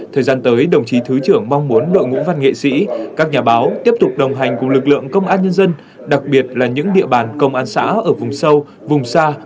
thời gian tới đồng chí thứ trưởng mong muốn đội ngũ văn nghệ sĩ các nhà báo tiếp tục đồng hành cùng lực lượng công an nhân dân đặc biệt là những địa bàn công an xã ở vùng sâu vùng xa